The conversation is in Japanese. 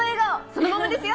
そのまま！